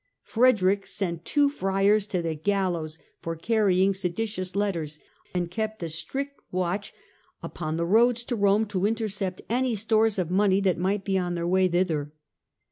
Frederick sent two friars to the gallows for carrying seditious letters, and kept a strict watch upon all the roads to Rome to inter cept any stores of money that might be on their way thither.